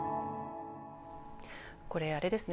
これあれですね